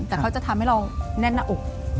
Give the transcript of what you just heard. แต่เขาจะทำให้เราแน่นหน้าอก